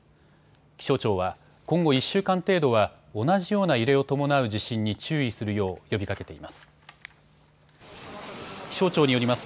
気象庁は、今後１週間程度は同じような揺れを伴う地震に注意するよう呼びかけています。